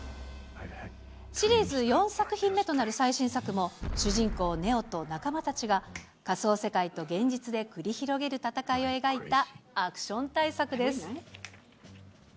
シリーズ４作品目となる最新作も、主人公、ネオと仲間たちが、仮想世界と現実で繰り広げる戦いを描いた、アクション大作です。